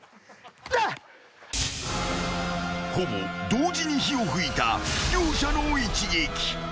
［ほぼ同時に火を噴いた両者の一撃］